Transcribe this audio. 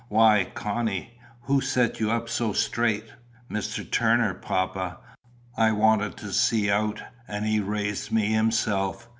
"Why, Connie, who set you up so straight?" "Mr. Turner, papa. I wanted to see out, and he raised me himself.